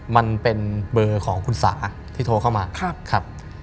มันเป็นเบอร์ของคุณสาที่โทรเข้ามาครับ